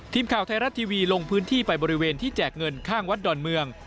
ทีมข่าวไทยรัฐทีวีลงพื้นที่ไปบริเวณที่แจกเงินข้างวัดดอนเมือง